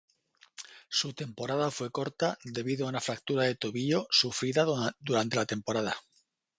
Su temporada fue corta debido a una fractura de tobillo sufrida durante la temporada.